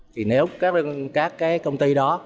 thì nếu các công ty đó